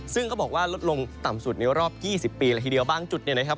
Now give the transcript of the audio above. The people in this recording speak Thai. ซึ่งเขาบอกว่าลดลงต่ำสุดเร็วรอบยี่สิบปีหลักดีเดียวบ้างจุดเนี่ยนะครับ